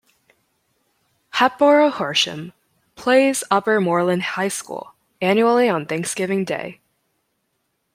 Hatboro-Horsham plays Upper Moreland High School annually on Thanksgiving Day.